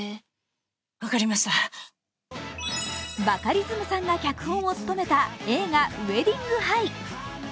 バカリズムさんが脚本を務めた映画「ウェディング・ハイ」。